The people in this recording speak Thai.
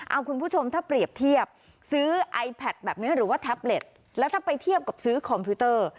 เอาคุณผู้ชมถ้าเปรียบเทียบซื้อไอแพทแบบนี้หรือว่าแท็บเล็ตแล้วถ้าไปเทียบกับซื้อคอมพิวเตอร์